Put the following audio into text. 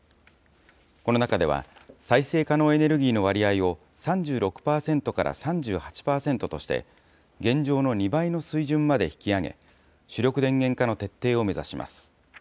この中では、再生可能エネルギーの割合を３６％から３８％として、現状の２倍の水準まで引き上げ、主力電源化の徹底を目指します。